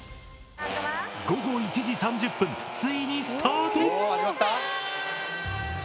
午後１時３０分ついにスタート！